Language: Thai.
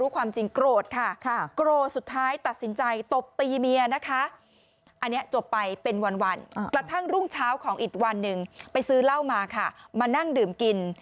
กระทั่งรุ่งเช้าของอีกวันหนึ่งไปซื้อเหล้ามามานั่งดื่มกิน